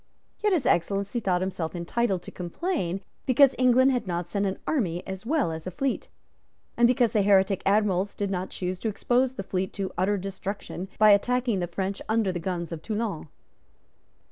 Yet His Excellency thought himself entitled to complain because England had not sent an army as well as a fleet, and because the heretic Admiral did not choose to expose the fleet to utter destruction by attacking the French under the guns of Toulon.